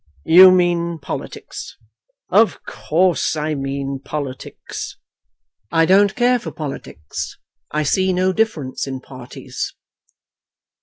"You mean politics?" "Of course I mean politics." "I don't care for politics. I see no difference in parties."